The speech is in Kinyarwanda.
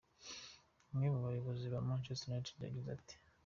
Umwe mu bayobozi ba Manchester United yagize ati:.